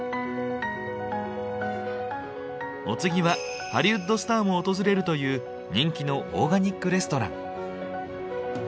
お次はハリウッドスターも訪れるという人気のオーガニックレストラン。